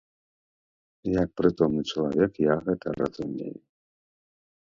Як прытомны чалавек, я гэта разумею.